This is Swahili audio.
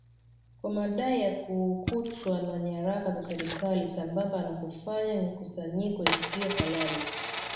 kwa madai ya kukutwa na nyaraka za serikali sambamba na kufanya mikusanyiko isiyo halali